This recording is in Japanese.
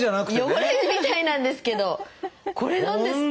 汚れみたいなんですけどこれなんですって。